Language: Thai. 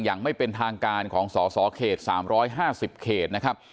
อย่างไม่เป็นทางการของสสเขต๓๕๐เขตนะครับ